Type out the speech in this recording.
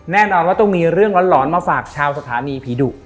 แน่นอนว่าต้องมีเรื่องร้อนมาฝากชาวสถานีผีดุ